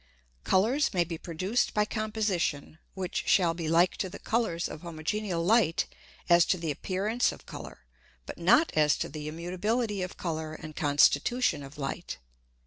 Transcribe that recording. _Colours may be produced by Composition which shall be like to the Colours of homogeneal Light as to the Appearance of Colour, but not as to the Immutability of Colour and Constitution of Light.